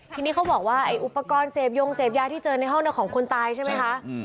ทีนี้เขาบอกว่าไอ้อุปกรณ์เสพยงเสพยาที่เจอในห้องของคนตายใช่ไหมคะ